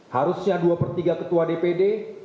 harusnya dua per tiga ketua dpd